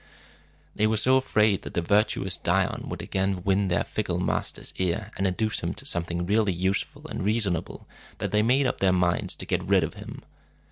They were so afraid that the virtuous Dion would again win their fickle master's ear, and induce him to do something really useful and reasonable, that they made up their minds to get rid of him.